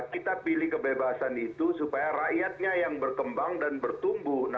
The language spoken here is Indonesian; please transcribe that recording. kita pilih kebebasan itu supaya rakyatnya yang berkembang dan bertumbuh